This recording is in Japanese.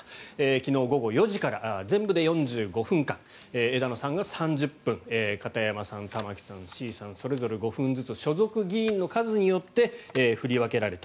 昨日午後４時から全部で４５分間枝野さんが３０分片山さん、玉木さん、志位さんそれぞれ５分ずつ所属議員の数によって振り分けられた。